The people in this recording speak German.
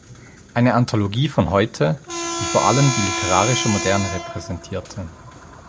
Eine Anthologie von heute", die vor allem die literarische Moderne repräsentierte.